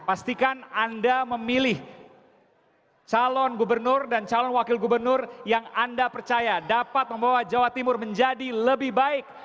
pastikan anda memilih calon gubernur dan calon wakil gubernur yang anda percaya dapat membawa jawa timur menjadi lebih baik